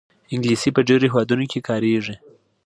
انګلیسي په ډېرو هېوادونو کې کارېږي